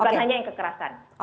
bukan hanya yang kekerasan